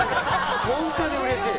本当にうれしい！